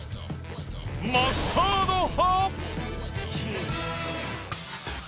マスタード派？